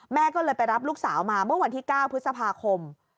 แม่ก็เลยไปรับลูกสาวมาเมื่อวันที่๙พฤษภาคม